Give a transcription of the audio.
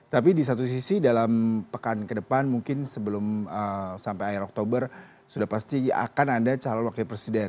tapi di satu sisi dalam pekan ke depan mungkin sebelum sampai akhir oktober sudah pasti akan ada calon wakil presiden